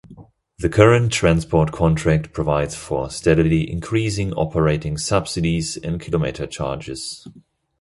The current transport contract provides for steadily increasing operating subsidies and kilometre charges.